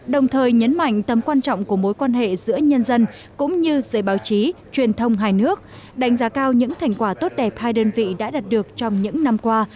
đồng thời nhấn mạnh tầm quan trọng của mối quan hệ giữa nhân dân cũng như giới báo chí truyền thông hai nước đánh giá cao những thành quả tốt đẹp hai đơn vị đã đạt được trong những năm qua